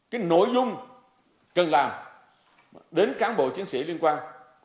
cái nội dung cần làm đến cán bộ chiến sĩ liên quan